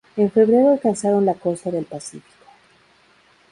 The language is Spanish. En febrero alcanzaron la costa del Pacífico.